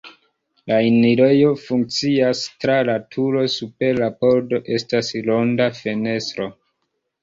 La enirejo funkcias tra la turo, super la pordo estas ronda fenestro.